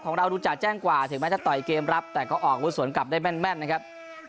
ของเราดูจะแจ้งกว่าถึงแม้จะต่อยเกมรับแต่ก็ออกอาวุธสวนกลับได้แม่นนะครับ